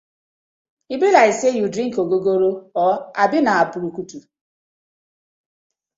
E bi like say yu dring ogogoro or abi na brukutu.